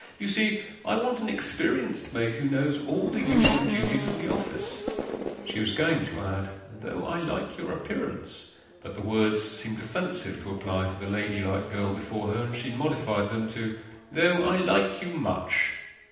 You see, I want an experienced maid who knows all the usual duties of the office.' She was going to add, 'Though I like your appearance,' but the words seemed offensive to apply to the ladylike girl before her, and she modified them to, 'though I like you much.